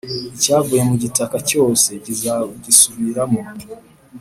Icyavuye mu gitaka cyose, kizagisubiramo,